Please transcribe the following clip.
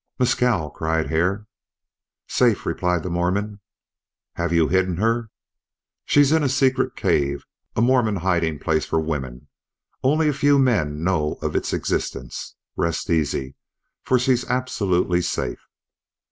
"Mescal!" cried Hare. "Safe," replied the Mormon. "Have you hidden her?" "She's in a secret cave, a Mormon hiding place for women. Only a few men know of its existence. Rest easy, for she's absolutely safe."